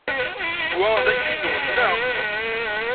Wa d akli-nwen, neɣ?